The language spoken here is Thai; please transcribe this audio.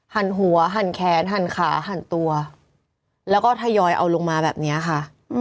หันหัวหั่นแขนหั่นขาหั่นตัวแล้วก็ทยอยเอาลงมาแบบนี้ค่ะ